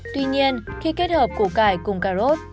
tuy nhiên khi kết hợp cổ cải cùng cà rốt